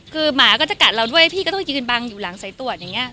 คือหมาก็จะกัดเราด้วยพี่ก็ต้องยืนบังอยู่หลังสายตรวจอย่างนี้